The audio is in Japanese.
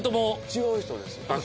違う人ですよね？